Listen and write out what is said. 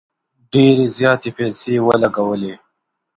ډیري زیاتي پیسې ولګولې.